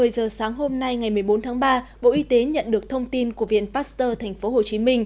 một mươi giờ sáng hôm nay ngày một mươi bốn tháng ba bộ y tế nhận được thông tin của viện pasteur tp hcm